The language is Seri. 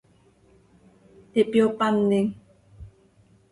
Ihpyopanim.